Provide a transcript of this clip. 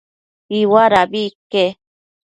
Iuadabi ique